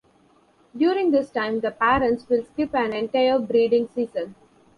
During this time, the parents will skip an entire breeding season.